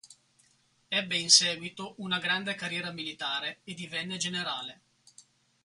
Ebbe in seguito una grande carriera militare e divenne generale.